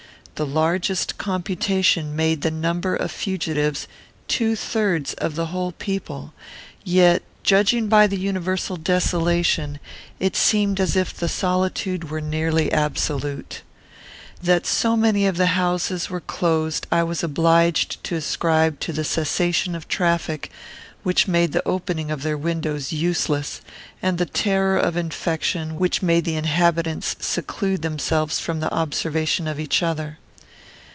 The largest computation made the number of fugitives two thirds of the whole people; yet, judging by the universal desolation, it seemed as if the solitude were nearly absolute. That so many of the houses were closed, I was obliged to ascribe to the cessation of traffic, which made the opening of their windows useless, and the terror of infection, which made the inhabitants seclude themselves from the observation of each other.